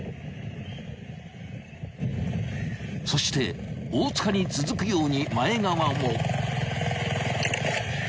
［そして大塚に続くように前川も］